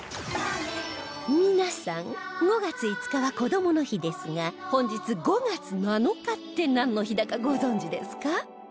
皆さん５月５日はこどもの日ですが本日５月７日ってなんの日だかご存じですか？